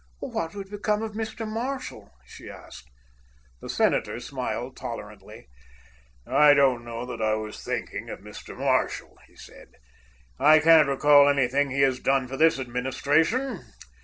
"What would become of Mr. Marshall?" she asked. The senator smiled tolerantly. "I don't know that I was thinking of Mr. Marshall," he said. "I can't recall anything he has done for this administration.